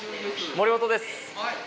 森本です。